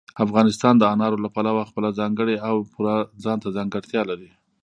افغانستان د انارو له پلوه خپله ځانګړې او پوره ځانته ځانګړتیا لري.